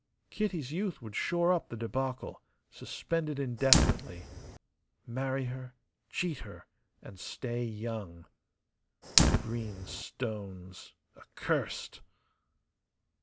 Kitty's youth would shore up the debacle, suspend it indefinitely. Marry her, cheat her, and stay young. Green stones, accursed.